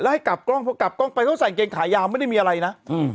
แล้วให้กลับกล้องกลับกล้องไปเขาใส่เกงขายาวไม่ได้มีอะไรนะอืม